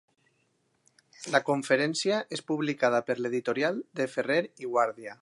La conferència és publicada per l’editorial de Ferrer i Guàrdia.